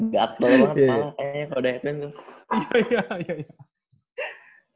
gak tau emang kayaknya kalo udah headband tuh